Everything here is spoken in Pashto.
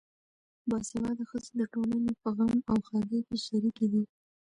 باسواده ښځې د ټولنې په غم او ښادۍ کې شریکې دي.